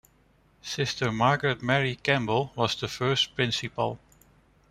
Sister Margaret Mary Campbell was the first principal.